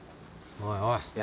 おいおい。